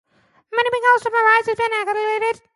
Many Bengali surnames have been anglicised.